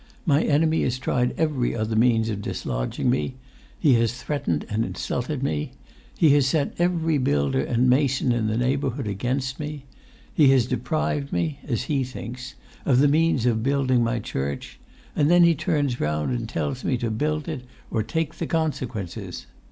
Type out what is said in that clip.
My enemy has tried every other means of dislodging me. He has threatened and insulted me. He has set every builder and mason in the neighbourhood against me. He has deprived me—as he thinks—of the means of building my church, and then he turns round and tells me to build it or take the consequences!